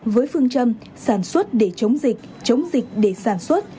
với phương châm sản xuất để chống dịch chống dịch để sản xuất